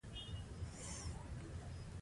خو کله چې سیاسي اسلام د جګړې ماموریت ترلاسه کړ.